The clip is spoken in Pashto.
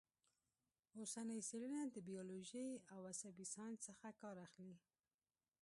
اوسنۍ څېړنه د بیولوژۍ او عصبي ساینس څخه کار اخلي